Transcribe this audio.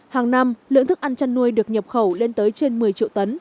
hàng năm lượng thức ăn chăn nuôi được nhập khẩu lên tới trên một mươi triệu tấn